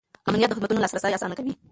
امنیت د خدمتونو لاسرسی اسانه کوي.